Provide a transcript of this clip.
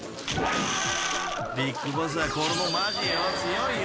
［ＢＩＧＢＯＳＳはこれもマジよ。